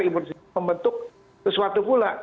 imunisitas membentuk sesuatu pula